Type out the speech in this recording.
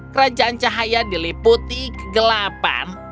kerajaan cahaya diliputi kegelapan